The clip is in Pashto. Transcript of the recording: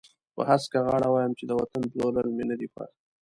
په هسکه غاړه وایم چې د وطن پلورل مې نه دي خوښ.